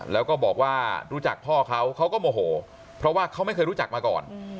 แล้วก็บอกว่ารู้จักพ่อเขาเขาก็โมโหเพราะว่าเขาไม่เคยรู้จักมาก่อน